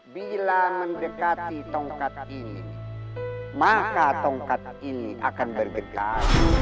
bila mendekati tongkat ini maka tongkat ini akan bergegas